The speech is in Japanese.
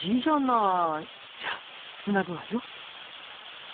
じゃあつなぐわよ。